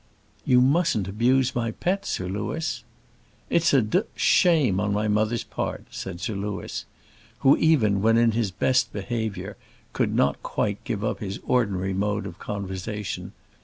"You mustn't abuse my pet, Sir Louis." "It's a d shame on my mother's part;" said Sir Louis, who, even when in his best behaviour, could not quite give up his ordinary mode of conversation.